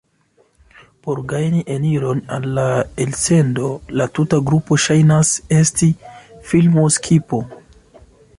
Por gajni eniron al la elsendo, la tuta grupo ŝajnas esti filmo-skipo.